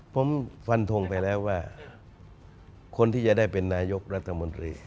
ผมฟันทงไปแล้วว่าคนที่จะได้เป็นนายกรัฐมนตรี